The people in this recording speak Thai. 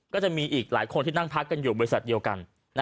ก็จะมีอีกหลายคนที่นั่งพักกันอยู่บริษัทเดียวกัน